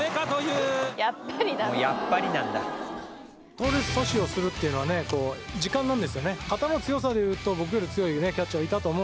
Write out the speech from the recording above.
盗塁阻止をするっていうのはね時間なんですよね。